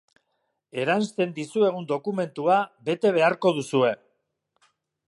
Eransten dizuegun dokumentua bete beharko duzue.